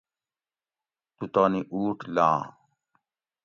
تو تانی اُوٹ لاں